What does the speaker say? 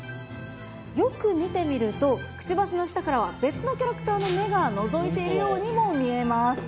よく見てみると、くちばしの下からは、別のキャラクターの目がのぞいているようにも見えます。